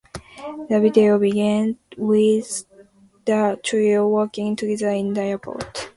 The video begins with the trio walking together in the airport.